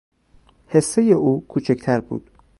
حصهی او کوچکتر بود.